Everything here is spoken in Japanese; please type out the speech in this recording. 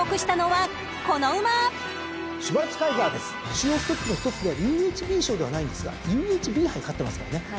中央ステップの一つであるＵＨＢ賞ではないんですがＵＨＢ杯勝ってますからね。